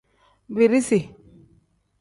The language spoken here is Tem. Birisi.